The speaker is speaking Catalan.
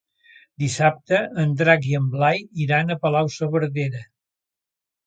Dissabte en Drac i en Blai iran a Palau-saverdera.